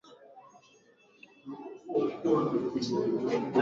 kuhojiwa kwa wakurugenzi watendaji wa mashirika hayo